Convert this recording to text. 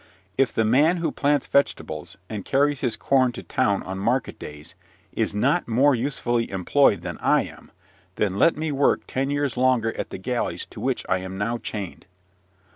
If the man who plants vegetables, and carries his corn to town on market days, is not more usefully employed than I am, then let me work ten years longer at the galleys to which I am now chained.